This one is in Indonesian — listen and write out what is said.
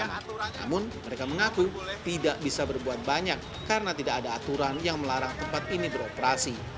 namun mereka mengaku tidak bisa berbuat banyak karena tidak ada aturan yang melarang tempat ini beroperasi